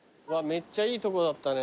めっちゃいいとこだったね。